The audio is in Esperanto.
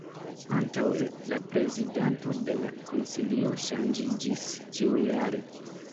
Antaŭe, la prezidanto de la Konsilio ŝanĝiĝis ĉiujare.